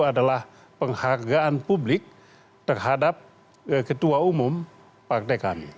adalah penghargaan publik terhadap ketua umum partai kami